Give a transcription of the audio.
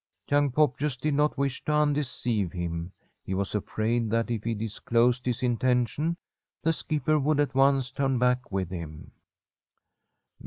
Young Poppius did not wish to undeceive him. He was afraid that if he disclosed his intention the skipper would at once turn back with him.